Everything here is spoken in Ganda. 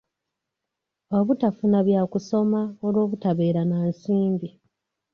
Obutafuna bya kusoma olw'obutaba na nsimbi.